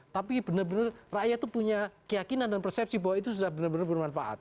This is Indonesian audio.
tapi benar benar rakyat itu punya keyakinan dan persepsi bahwa itu sudah benar benar bermanfaat